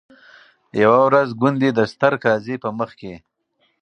یوه ورځ ګوندي د ستر قاضي په مخ کي